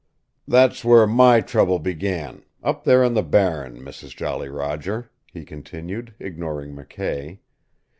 "That's where MY trouble began up there on the Barren, Mrs. Jolly Roger," he continued, ignoring McKay.